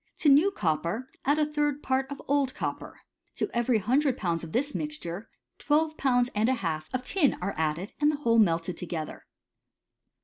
To new copper add a third part of old copper. To every hundred pounds of this mixture, twelve pounds ^d a half of tinf are added, and the whole melted together.